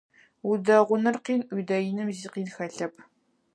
Удэгъуныр къин, удэиным зи къин хэлъэп.